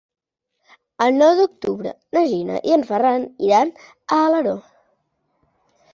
El nou d'octubre na Gina i en Ferran iran a Alaró.